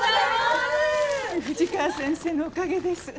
富士川先生のおかげです。